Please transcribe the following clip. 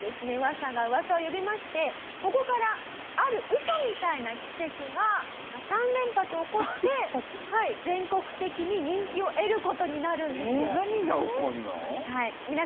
噂が噂を呼びましてここからあるウソみたいな奇跡が３連発起こって全国的に人気を得る事になるんですよ。